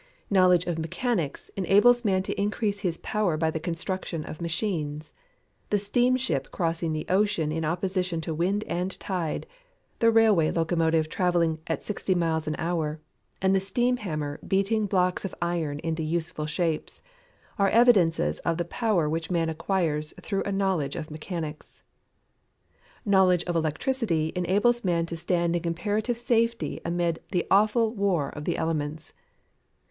Knowledge of Mechanics enables man to increase his power by the construction of machines. The steam ship crossing the ocean in opposition to wind and tide, the railway locomotive travelling at 60 miles an hour, and the steam hammer beating blocks of iron into useful shapes, are evidences of the power which man acquires through a knowledge of mechanics. Knowledge of Electricity enables man to stand in comparative safety amid the awful war of the elements.